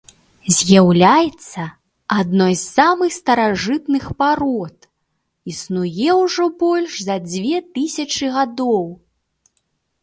З'яўляецца адной з самых старажытных парод, існуе ўжо больш за дзве тысячы гадоў.